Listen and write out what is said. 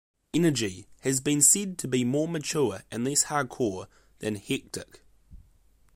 "Energy" has been said to be more mature and less hardcore than "Hectic".